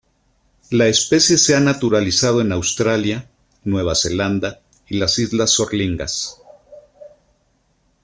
La especie se ha naturalizado en Australia, Nueva Zelanda y las islas Sorlingas.